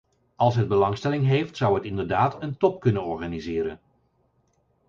Als het belangstelling heeft, zou het inderdaad een top kunnen organiseren.